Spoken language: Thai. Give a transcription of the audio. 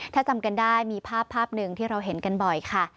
ถ้าจำกันได้มีภาพภาพหนึ่งที่เราเห็นกันบ่อยค่ะ